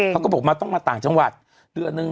เขาก็บอกมาต้องมาต่างจังหวัดเดือนนึง